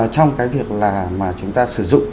trong cái việc là mà chúng ta sử dụng